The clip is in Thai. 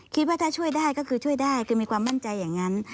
คิดว่าถ้าช่วยได้ก็คือช่วยได้คือมีความมั่นใจอย่างนั้น